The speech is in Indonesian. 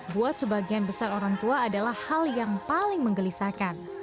buat sebagian besar orang tua adalah hal yang paling menggelisahkan